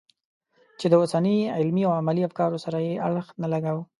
چې د اوسني علمي او عملي افکارو سره یې اړخ نه لګاوه.